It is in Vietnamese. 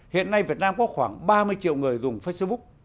hiện nay việt nam có khoảng ba mươi triệu người dùng facebook